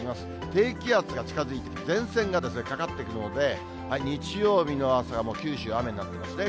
低気圧が近づいてきて、前線がかかってくるので、日曜日の朝がもう九州、雨になってますね。